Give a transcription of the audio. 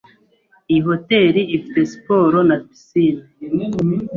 Iyi hoteri ifite siporo na pisine.